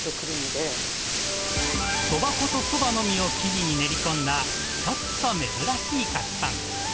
そば粉とそばの実を生地に練り込んだ、ちょっと珍しい菓子パン。